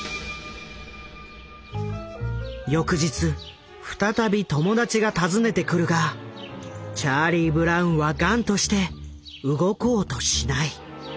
翌日再び友達が訪ねてくるがチャーリー・ブラウンは頑として動こうとしない。